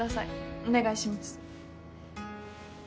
お願いします。